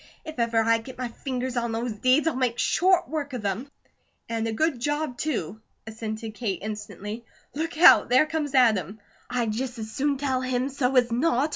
If ever I get my fingers on those deeds, I'll make short work of them!" "And a good job, too!" assented Kate, instantly. "Look out! There comes Adam." "I'd just as soon tell him so as not!"